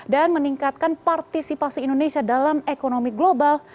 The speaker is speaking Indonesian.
dan meningkatkan partisipasi indonesia dalam ekonomi global